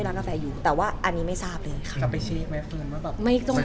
ตอนนี้ก็คืออย่างที่ทุกคนทราบเหมือนกันนะคะ